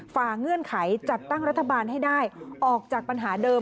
เงื่อนไขจัดตั้งรัฐบาลให้ได้ออกจากปัญหาเดิม